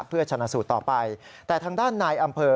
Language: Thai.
เพื่อชนะสูตรต่อไปแต่ทางด้านนายอำเภอ